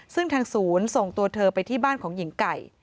ซึ่งทางศูนย์ส่งตัวเธอไปที่บ้านของหญิงไก่